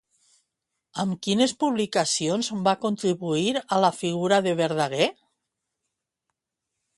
Amb quines publicacions va contribuir a la figura de Verdaguer?